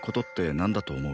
何だと思う？